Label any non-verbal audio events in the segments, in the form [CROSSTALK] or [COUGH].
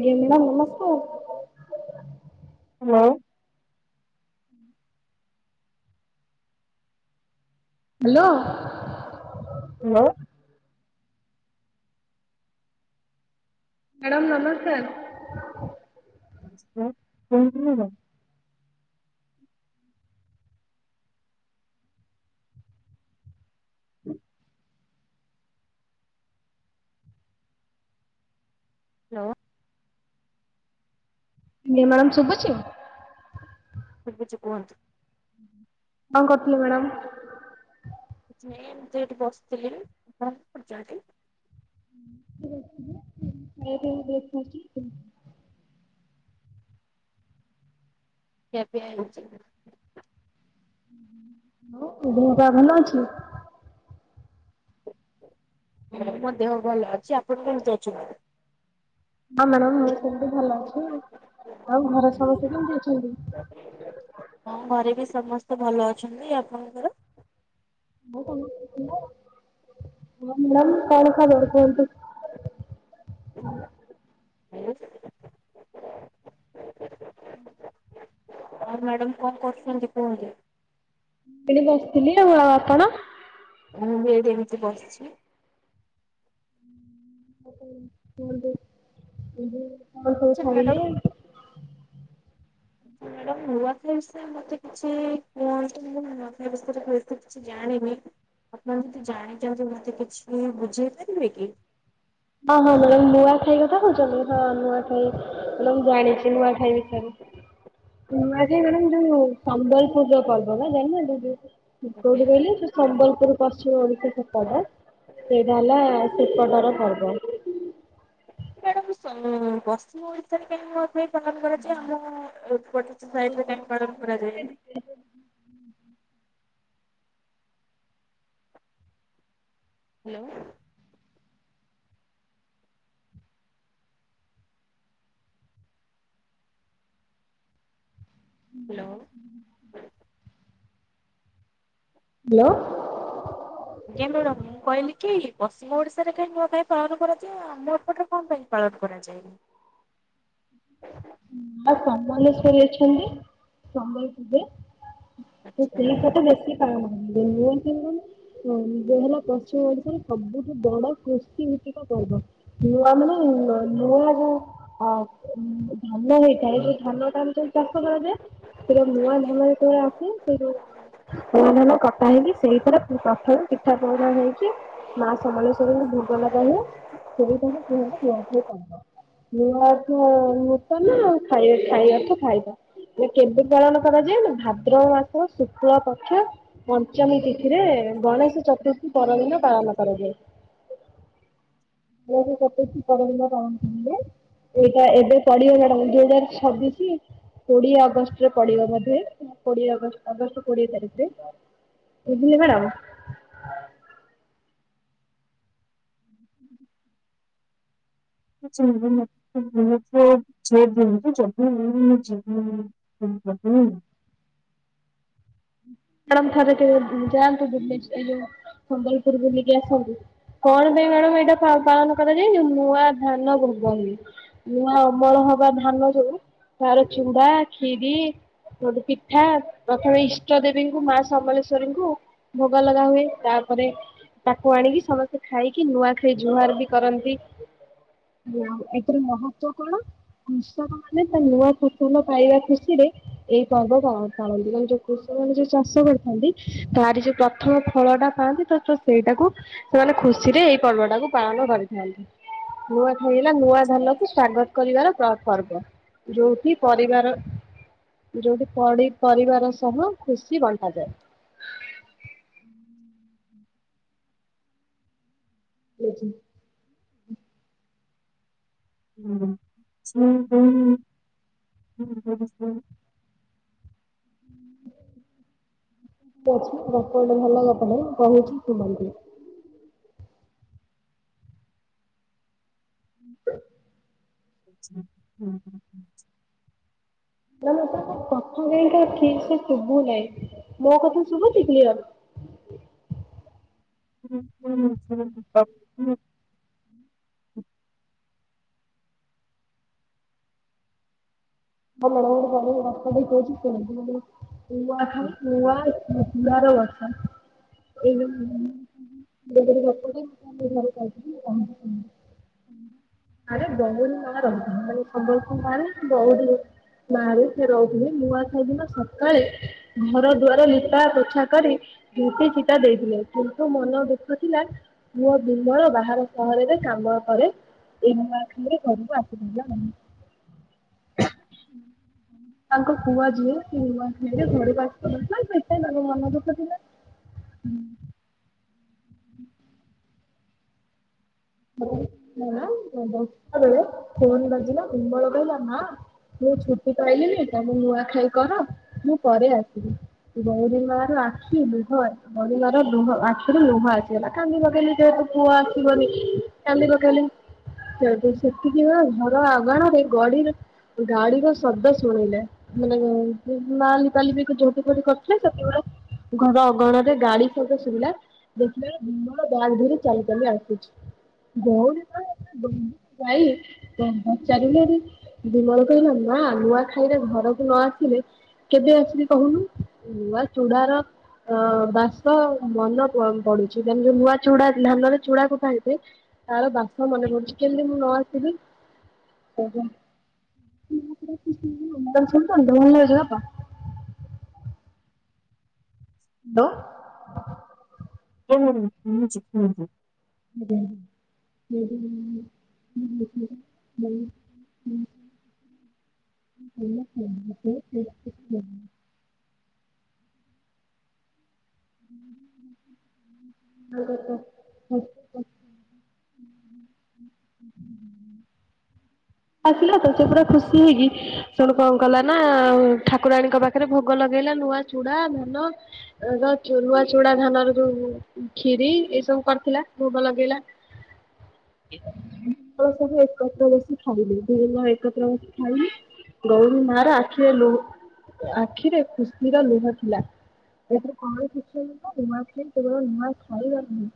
ଆଜ୍ଞା ମ୍ୟାଡ଼ାାମ ନମସ୍କାର। Hello. Hello. Madam ନମସ୍କାର। ନମସ୍କାର୍ କୁହନ୍ତୁ ମାଡାମ୍। [INAUDIBLE] ହ୍ୟାଲୋ। ଇଏ ମ୍ୟାଡ଼ାମ ଶୁଭୁଛି? ସୁବୁଛି କୁହନ୍ତୁ। କଣ କରୁଥିଲେ ମ୍ୟାଡ଼ାମ୍? କିଛି ନାଇ ଏମତି ଏଠି ବସିଥିଲି କଣ କରୁଛ ହେଠି? [UNINTELLIGIBLE] ଖିଆ ପିଆ ହେଇଛି? ଦେହ ପା ଭଲ ଅଛି। ମୋ ଦେହ ଭଲ ଅଛି ଆପଣ କେମିତି ଅଛନ୍ତି? ହଁ ମ୍ୟାଡ଼ାମ ମୁଁ ସେମିତି ଭଲ ଅଛି ଆଉ ଘର ସମସ୍ତେ କେମିତି ଅଛନ୍ତି? ହଁ ଘ ସମସ୍ତେ ଭଲ ଅଛନ୍ତି ଆପଣଙ୍କର? [UNINTELLIGIBLE] ହଁ ମ୍ୟାଡ଼ାମ କଣ ଖାଇଲେନି କୁହନ୍ତୁ। [INAUDIBLE] [INAUDIBLE] ଆଉ ମ୍ୟାଡାମ କଣ କରୁଛନ୍ତି କୁହନ୍ତୁ। ଏଠି ବସିଥିଲି ଆଉ ଆପଣ। ମୁଁ ବି ଏଠି ଏମିତି ବସିଛି। କୁହନ୍ତୁ କଣ ସବୁ ଖାଇଲଲେ? [INAUDIBLE] ନୂଆଖାଇ ବିଷୟରେ ମତେ କିଛି କୁହନ୍ତୁ ମୁଁ ନୂଆଖାଇ ବିଷୟରେ ବେଶି କିଛି ଜାଣିନି। ଆପଣ ଯଦି ଜାଣିଛନ୍ତି ମତେ କିଛି ବୁଝେଇ ପାରିବେ କି? ଓଁ ହଁ ମ୍ୟାଡାମ ନୂଆଖାଇ କଥା କହୁଛନ୍ତି ହଁ ନୂଆଖାଇ ମ୍ୟାଡ଼ାମ ଜାଣିଛି ନୂଆ ଖାଇ ନୂଆଁଖାଇ ମ୍ୟାଡ଼ାମ ଯୋଉ ସମ୍ବଲପୁର ର ପର୍ବ ନା ଜାଣିନାହାନ୍ତି। କୋଉଠି କହିଲେ ସେ ସମ୍ବଲପୁର ପଶ୍ଚିମ ଓଡିଶା ସେପଟ। ସେଇ ଟା ହେଲା ସେପଟର ପର୍ବ। ମ୍ୟାଡାମ ପଶ୍ଚିମ ଓଡିଶାରେ କାହିଁକି ନୂଆ ଖାଇ ପାଳନ କରାଯାଏ, ଆମ ଅପଟ ସାଇଟ୍ ରେ ତ କାଈ ପାଳନ କରାଯାଏନି। ହାଲୋ। ହାଲୋ। ହାଲୋ। ଆଜ୍ଞା ମାଡାମ୍, ମୁଁ କହିଲି କି ପଶ୍ଚିମ ଓଡିଶାରେ କାଇହିଁ ନୂଆ କାହିଁ ପାଳନ କରାଯାଏ, ଆମ ଏପଟରେ କଣ ପାଇଁ ପାଳନ କରାଯାଏନି? ହ [INAUDIBLE] ମା ସମଲେଶ୍ଵରୀ ଅଛନ୍ତି, ସମ୍ବଲପୁର୍ ରେ ସେ ସେଇଟା ତ ବେଶୀ ପାନୁ [UNINTELLIGIBLE] ହ ଯେ ହେଲା ପଶ୍ଚିମ ଓଡିଶାରେ ସବୁଠୁ ବଡ କୃଷି ଭିତିକ ପର୍ବ। ତା ମାନେ ନୂଆ ଯ ଅ ଧାନ ହେଇଥାଏ, ଯୋଉ ଧାନ ଟା ଚାଷ କରାଯାଏ ସେ ନୂଆ ଧାନ ଯେତେବେଳେ ଆସେ, ସେ ଯଉ ନୂଆଧାନ କଟା ହେଇକି, ସେଇଥରେ ପ୍ରଥମେ ପିଠା ପଣା ହେଇକି, ମା ସମଲେଶ୍ଵରିଙ୍କୁ ଭୋଗ ଲ ହ ସେଇଟ କୁହୟ [UNINTELLIGIBLE] ନା ଖାଇ ଖାଇ ଆ କୁ ଖାଇବା। କେବେ ପାଳନ କରାଯାଏ ନା ଭାଦ୍ର ମାସ ଶୁକ୍ଳ ପକ୍ଷ ପଞ୍ଚମୀ ତିଥିରେ, ଗଣେଶ ଚତୁର୍ଥୀ ପରଦିନ ପାଳନ କରାଯାଏ। ଏ କତି ପଡ଼ା ପାଣେ [UNINTELLIGIBLE] ଏଇଟା ଏବେ ପଡିବ ମ୍ୟାଡାମ ଯୋଦାର ଛବିଶି କୋଡିଏ ଅଗଷ୍ଟରେ ପଡିବ ବୋଧେ, କୋଡିଏ ଅଗଷ୍ଟ, ଅଗଷ୍ଟ କୋଡିଏ ତାରିଖରେ ଏିନ କଡ଼ାମ [UNINTELLIGIBLE] ଅ [UNINTELLIGIBLE] ହ ହୁଁ [INAUDIBLE] ମାଡାମ୍ ଥରେ କେଵେ ଯାଆନ୍ତୁ ବୁଲି, ଏ ଯଉ ସମ୍ବଲପୁର ବୁଲିକି ଆସନ୍ତୁ। କଣ ପାଇଁ ମ୍ୟାଡାମ ଏଇଟା ପାଳନ କରାଯାଏ ନୂଆ ଧାନ ଗୁବ [UNINTELLIGIBLE] ନ ନୂଆ ଅମଳ ନୂଆ ଧାନ ଯଉ ତାର ଚୁଡା ଖିରି ପିଠା ପ୍ରଥମେ ଇଷ୍ଟ ଦେ ଙ୍କୁ ମା ସମଲେଶ୍ଵରୀଙ୍କୁ ଭୋଗ ଲଗା ହୁଏ, ତାପରେ ତାକୁ ଆଣିକି ସମସ୍ତେ ଖାଇକି ନୂଆ ଖାଇ ଜୁହାର ବି କରନ୍ତି। ଆ ଏଥିର ମହତ୍ବ କଣ? କୃଷକ ମାନେ ତା ନୂଆ ଫସଲ ପାଇବା ଖୁସି ରେ ଏଇ ପର୍ବ ପାଳନ୍ତି, କାରଣ -ଯୋଉ କୃଷକ ମାନେ ଯୋଉ ଚାଷ କରିଥାନ୍ତି, ତାର ଯୋଉ ପ୍ରଥମ ଫଳ ଟା ପାାଆନ୍ତି ତ- ସେଇଟାକୁ ସେମାନେ ଖୁସିରେ ସେଇ ପର୍ବ ଟାକୁ ପାଳନ କରିଥାନ୍ତି। ନୂଆ ଖାଇ ହେଲା, ନୂଆ ଧାନକୁ ସ୍ଵାଗତ କରିବାର ପ ପର୍ବ। ଯୋଉଠି ପରିବାର, ଯୋଉଠି ପଡି ପରିବାର ସହ ଖୁସି ବଣ୍ଟାଯାଏ। ଲକ [UNINTELLIGIBLE] ହଁ ହ ହ ହୁଁ ହୁଁ ହଁ ଠିକ ଅଛି, ଗପ ଗଟେ ଭଲ ଗପ କର କହୁଛି- ତୁମେ ହ [UNINTELLIGIBLE] ହ ହୁଁ ହୁଁ ହୁଁ [UNINTELLIGIBLE] ନା ନାଇଁ ତାଙ୍କ କଥା କାଇକି ଠିକ ସେ ଶୁଭୁ ନାହିଁ, ମୋ କଥା ଶୁଭୁଛି କ୍ଲିଅର [INAUDIBLE] ହଁ ହଁ ହଁ ହ ଆମ ମ ମଣ୍ଡଚ ମୂ ମୂ [UNINTELLIGIBLE] ବ ବର ଅଛ ଏବେ [UNINTELLIGIBLE] ରଞ୍ଚ [UNINTELLIGIBLE] ଆରେ ବହୁତ ଗ ରହୁଥା ମାନେ ସମ୍ବଲପ ମାଁ ବହୁତ [UNINTELLIGIBLE] ନାରେ ସେ ରହୁନି ନୂଆଖାଇ ଦିନ ସକାଳେ ଘର ଦୁଆର ଲପା ପୋଛା କରି ଦୁଟି ଚିତା ଦେଇଥିଲେ, କିନ୍ତୁ ମନ ଦୁଃଖ ଥିଲା ମୋ ବିମଳ ବାହାର ସହରରେ କାମ କରେ ଏଇ ନୂଆଖାଇ ରେ ଘରକୁ ଆସିପାରିଲା ନାହି। ହୁ। ତାଙ୍କ ପୁଅ ଝିଅ ସେ ନୂଆ ଖଲେ ଘରକୁ ଆସିବ ଦାନ ପଇସ ତାଙ୍କ ମାମା ଦୁଃଖ ଦଥିଲା। ହୁଁ। ହଁ। ଫନ ମନ୍ଦିନ ଫୋନ ବାଜିଲା ଗୁମୋର କହିଲା ମା ମୁଁ ଛୁଟି ପାଇଲିିନି ତମ ନୂଆଖାଇ କର ମୁଁ ପରେ ଆସିବି ବହୁ ଦିନ ମା ର ଆଖି ଲୁହ ବିବାର ଲୁହ ଆଖିରୁ ଲୁହ ଆସିଗଲା କାନ୍ଦି ଲଗେଇଲିି ଯେହେତୁ ପୁଅ ଆସିବନି। ଚାଲି ପଲି ସେତିକି ବେଡୁ ଘର ଅଗାଣରେ ଗଡିରେ ଗାଡିର ଶବ୍ଦ ଶୁଣେଇଲେ ମାନେ ମାଲି ତାଲି ବି ଯୋଉଠି କରିଥିଲେ ସେତଗୁଡା ଘର ଅଗଣ ରେ ଗାଡି ସତ ଶୁବିଲା। ଦେଖିଲା ବେଳକୁ ବାହା ଧରି ଚାଲି ଚାଲି ଆସୁଛି। ବଉଣୀ କ ଯାଇଧଚାରିଲ ବିମଲ କହିଲ ନା ହ ନୂଆ ଖାଇଲେ ଘରକୁ ନ ଆସିଲେ କେବେ ଆସିଲି କହୁନୁ ନୂଆ ଚୁଡାର ଅ ବାସ ମନ ପଡୁଛି ତ ଯୋଉ ନୂଆ ଚୁଡା ଧାନରେ ଚୁଡା କଠାଇଥାଏ। ତାର ବାସ ମନେ କରଡଛି କେଲି ମୁଁ ନ ଆସିବି। [UNINTELLIGIBLE] ଲଜପା ହ୍ୟାଲୋ। ହଁ ହୁଁ ହୁଁ ହୁଁ। ଆ ହ ହଁ। [UNINTELLIGIBLE] ଆଗତ ଆସିଲା ତ ସେ ପୁରା ଖୁସି ହେଇକି ଶୁଣୁ କଣ କଲା ନା ଠାକୁରାଣୀଙ୍କ ପାଖରେ ଭୋଗ ଲଗେଇ ନୂଆ ଚୁଡା ଧାନ ନୂଆ ଚୁଡା ଧାନର ଯୋଉ କ୍ଷିରି ଏ ସବୁ କରିଥିଲା ଭୋଗ ଲଗେଇଲା ସବୁ ଏକ୍ର ବ ଖାଇଲିୁ ଭଲ ଏକତ୍ରବାସ ଖାଇଲି ଗୌରୀ ମାଁରେ ଆଖିରେ ଲୁହ ଆଖିରେ ଖୁସିର ଲୁହ ଥିଲା। ଏଥିରେ କଣ କିଛି ତ ନୂଆଖ କେବଳ ନୂଆ ଖାଇବାରନି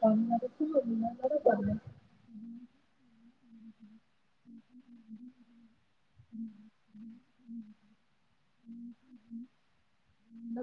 କାମନ ବିନାଗ କରିବ। ହଁ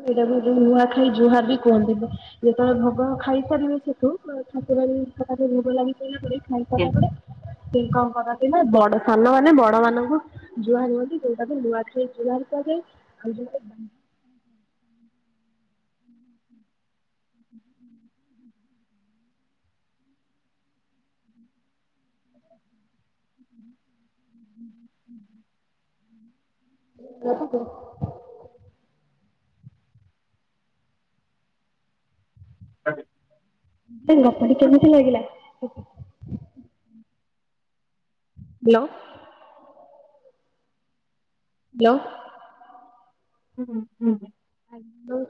ହ ହ ହଁ। ଏଇଟା ଭ ଲୁହା ଖାଇ ଜୁହା ବି କୁହନ୍ତି, ଯେତେବେଳେ ଭଗବ ଖାଇପାରିବେ ସେଠୁ [UNINTELLIGIBLE] ଭୋଗ ଲାଗି କଲା କରିବା ପଡେ ସେ କଣ କରନ୍ତି ଥିଲା ବଡ ସାନ ମାନେ ବଡ ମାନଙ୍କୁ ଜୁହାର ହୁଅନ୍ତି। ଯଉଟା କି ନୂଆଖାଇ ଜୁହାର କୁହାଯାଏ। ଆଉ [UNINTELLIGIBLE] ହୁଁ। [UNINTELLIGIBLE] [INAUDIBLE] ଙ୍ଗପଡି କେମତି ଲାଗିଲା। ହ୍ୟାଲୋ। ହ୍ୟାଲୋ। ହୁଁ ହୁଁ।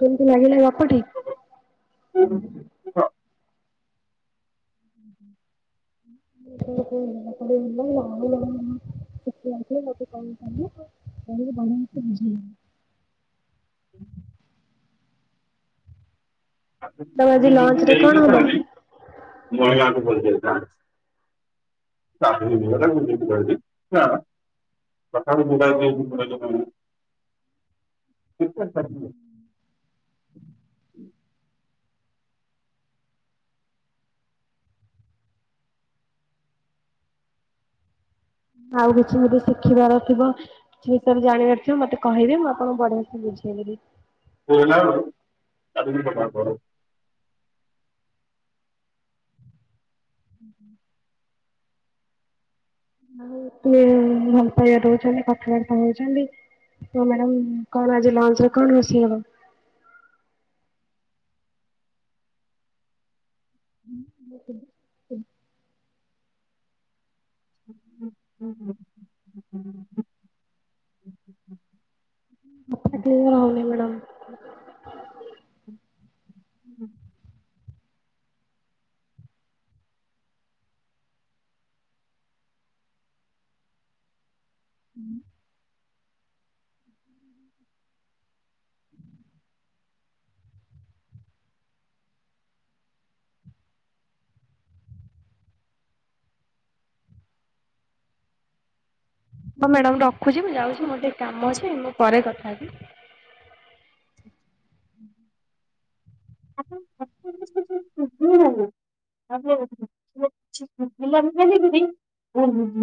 କେମିତି ଲାଗିଲା [UNINTELLIGIBLE] [UNINTELLIGIBLE] ବଝ [UNINTELLIGIBLE] [INAUDIBLE] ଆ ତମେ ଆଜି ଦେଥା ଲଞ୍ଚ ମକୁ ରେ କଣ ବ ହବ? [UNINTELLIGIBLE] [UNINTELLIGIBLE] ତଥବ୍ବି ମୋବାଇଲ୍ ପୁରାଇ [UNINTELLIGIBLE] ଠିକ୍ କଥା। ହୁଁ ଆଉ କିଛି ମୋତେ ଶିଖିବାର ଥିବ କିଛି ବିଷୟରେ ଜାଣିବାର ଥିବ ମତେ କହିବେ ମୁଁ ଆପଣଙ୍କୁ ବଢିଆ ସେ ବୁଝେଇଦେବି। କେବେ ବି [UNINTELLIGIBLE] ହୁଁ ହୁଁ [UNINTELLIGIBLE] ରହୁଚନ୍ତି କଥାବାର୍ତ୍ତ ହଉଚନ୍ତି। ତ ମ୍ୟାଡାମ କଣ ଆଜି ଲଞ୍ଚରେ କଣ ରୋଷେଇ ହବ। [UNINTELLIGIBLE] ହୁଁ ହୁଁ। [UNINTELLIGIBLE] ମ୍ୟାଡାମ। ହୁଁ ମ୍ୟାଡ଼ାମ୍ ରଖୁଚି ମୁଁ ଯାଉଚି ମୋର ଟିକେ କାମ ଅଛି ମୁଁ ପରେ କଥା ହେବି। [UNINTELLIGIBLE] [INAUDIBLE] ଆପଣଙ୍କ କଥାଗୁଡା ଶୁବୁନି [UNINTELLIGIBLE] କାହିଁକି? [UNINTELLIGIBLE]